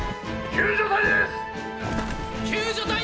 救助隊ですッ！！